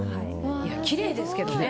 きれいですけどね。